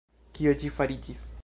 Kio ĝi fariĝis?